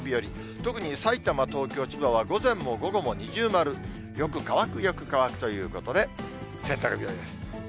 特にさいたま、東京、千葉は午前も午後も二重丸、よく乾く、よく乾くということで、洗濯日和です。